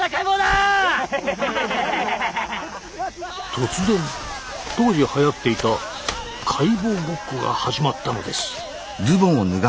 突然当時はやっていた「解剖ごっこ」が始まったのです。